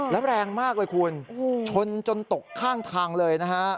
แล้วแรงมากเลยคุณชนจนตกข้างทางเลยนะฮะ